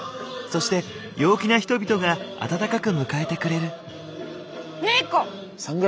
そして陽気な人々が温かく迎えてくれる。